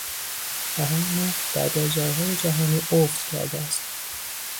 بهای نفت در بازارهای جهانی افت کرده است.